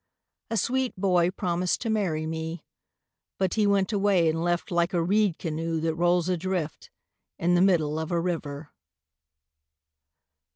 A sweet boy promised to marry me, But he went away and left Like a reed canoe that rolls adrift In the middle of a river.